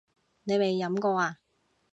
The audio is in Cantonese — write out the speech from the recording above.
你未飲過呀？